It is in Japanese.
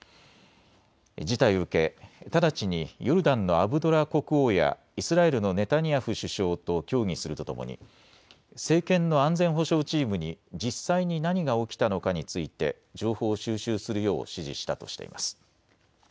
事態を受け直ちにヨルダンのアブドラ国王やイスラエルのネタニヤフ首相と協議するとともに政権の安全保障チームに実際に何が起きたのかについて情報を収集するよう指示したとしています。